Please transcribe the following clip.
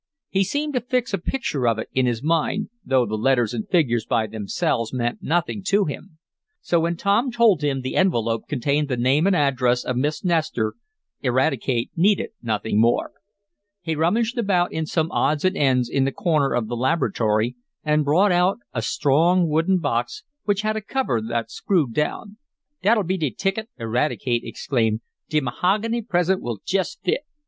He seemed to fix a picture of it in his mind, though the letters and figures by themselves meant nothing to him. So when Tom told him the envelope contained the name and address of Miss Nestor, Eradicate needed nothing more. He rummaged about in some odds and ends in the corner of the laboratory, and brought out a strong, wooden box, which had a cover that screwed down. "Dat'll be de ticket!" Eradicate exclaimed. "De mahogany present will jest fit."